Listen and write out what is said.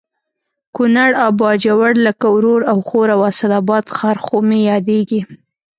کونړ او باجوړ لکه ورور او خور او اسداباد ښار خو مې یادېږي